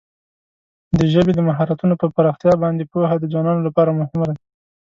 د ژبې د مهارتونو پر پراختیا باندې پوهه د ځوانانو لپاره مهمه ده.